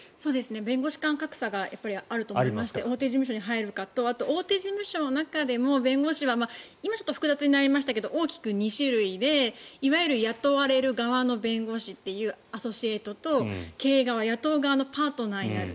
弁護士間格差があると思いますが大手事務所に入るかとあと大手事務所の中でも弁護士は今ちょっと複雑になりましたが大きく２種類でいわゆる雇われる側の弁護士アソシエートと経営側雇う側のパートナーになる。